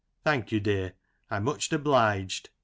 Thank you, dear, I'm much obliged.